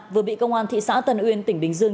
vừa bị công an thị xã tân uyên tỉnh bình dương